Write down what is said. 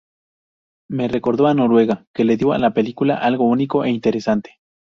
Me recordó a Noruega, que le dio a la película algo único e interesante.